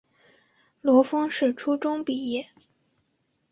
罗烽是初中毕业。